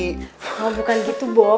kalau bukan gitu bop